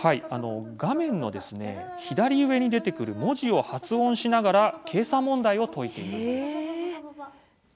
画面の左上に出てくる文字を発音しながら計算問題を解いているんです。